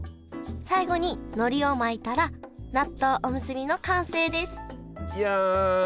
最後にのりを巻いたら納豆おむすびの完成ですいや。